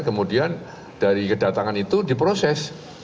kemudian dari kedatangan itu diproses